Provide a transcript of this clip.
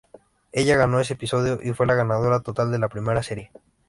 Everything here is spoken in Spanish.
Ella ganó ese episodio y fue la ganadora total de la primera serie.